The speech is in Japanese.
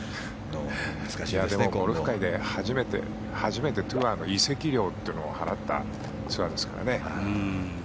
ゴルフ界で初めてツアーの移籍料を払ったツアーですからね。